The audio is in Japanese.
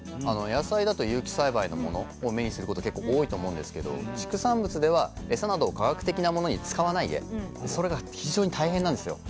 野菜だと有機栽培のものを目にすること結構多いと思うんですけど畜産物ではエサなどに化学的なものを使わないそれが非常に大変なんですよ。